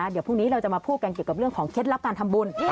เดี๋ยวพรุ่งนี้เราจะมาพูดกันเกี่ยวกับเรื่องของเคล็ดลับการทำบุญ